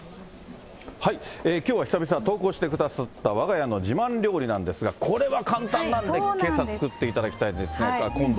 きょうは久々、投稿してくだすったわが家の自慢料理なんですが、これは簡単なんで、けさ作っていただきたいですね、今晩。